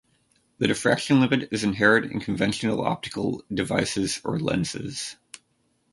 The diffraction limit is inherent in conventional optical devices or lenses.